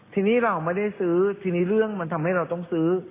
ทีนี้เราไม่ได้ซื้อทีนี้เรื่องมันทำให้เราต้องซื้อ